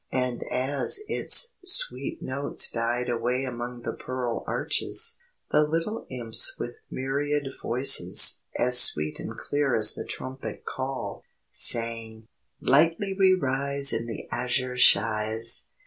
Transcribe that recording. And as its sweet notes died away among the pearl arches, the little Imps with myriad voices, as sweet and clear as the trumpet call, sang: "_Lightly we rise In the azure shies!